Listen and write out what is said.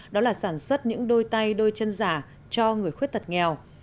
đó là sản xuất những đôi tay đôi chân giả cho người khuyết tật nghèo